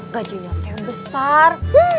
gajahnya yang besar